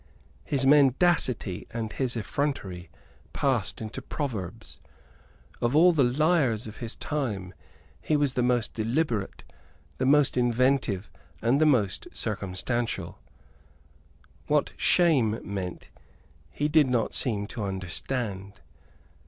His mendacity and his effrontery passed into proverbs. Of all the liars of his time he was the most deliberate, the most inventive and the most circumstantial. What shame meant he did not seem to understand.